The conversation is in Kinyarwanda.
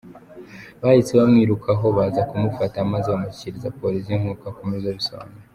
Bahise bamwirukaho baza kumufata maze bamushyikiriza Polisi; nk’uko akomeza abisobanura.